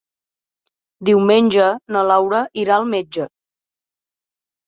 Diumenge na Laura irà al metge.